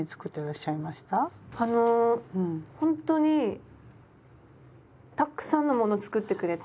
あのほんとにたっくさんのもの作ってくれて。